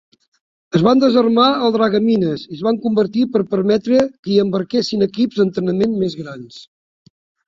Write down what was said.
Es va desarmar els dragamines i es van convertir per permetre que hi embarquéssim equips d'entrenament més grans.